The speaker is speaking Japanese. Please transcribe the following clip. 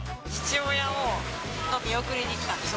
父親を見送りに来たんですよ。